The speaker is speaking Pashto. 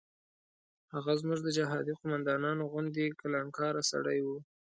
هغه زموږ د جهادي قوماندانانو غوندې کلانکاره سړی و.